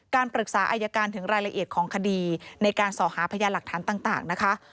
ปรึกษาอายการถึงรายละเอียดของคดีในการส่อหาพยานหลักฐานต่างนะคะ